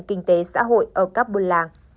kinh tế xã hội ở các buôn làng